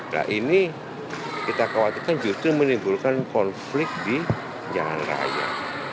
nah ini kita khawatirkan justru menimbulkan konflik di jalan raya